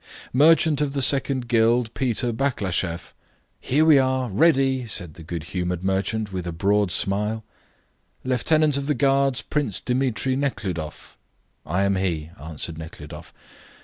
"Merchant of the Second Guild, Peter Baklasheff!" "Here we are, ready!" said the good humoured merchant, with a broad smile. "Lieutenant of the Guards, Prince Dmitri Nekhludoff!" "I am he," answered Nekhludoff.